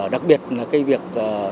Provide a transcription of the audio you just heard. đặc biệt là cái việc